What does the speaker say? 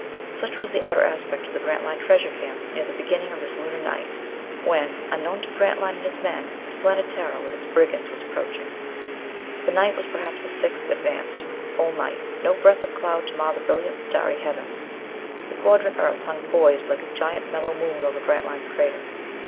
Such was the outer aspect of the Grantline Treasure Camp near the beginning of this Lunar night, when, unknown to Grantline and his men, the Planetara with its brigands was approaching. The night was perhaps a sixth advanced. Full night. No breath of cloud to mar the brilliant starry heavens. The quadrant Earth hung poised like a giant mellow moon over Grantline's crater.